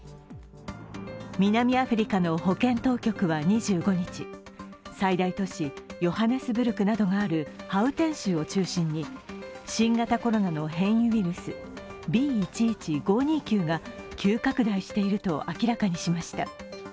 南アフリカの保健当局は２５日最大都市ヨハネスブルクなどがあるハウテン州を中心に新型コロナの変異ウイルス、Ｂ１．１．５２９が急拡大していると明らかにしました。